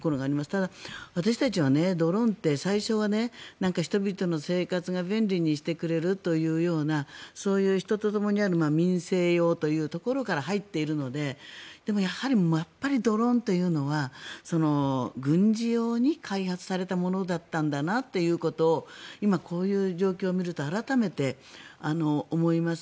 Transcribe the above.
ただ、私たちはドローンって最初はね人々の生活を便利にしてくれるというようなそういう人とともにある民生用というところから入っているのでやはりドローンというのは軍事用に開発されたものだったんだなということを今、こういう状況を見ると改めて思います。